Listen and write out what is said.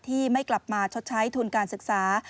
ที่ไม่กลับมาชดใช้ทุนการศึกษา